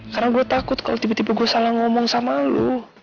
karena gue takut kalau tiba tiba gue salah ngomong sama lo